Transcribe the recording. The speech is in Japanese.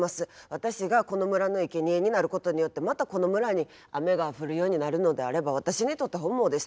私がこの村のいけにえになることによってまたこの村に雨が降るようになるのであれば私にとって本望です。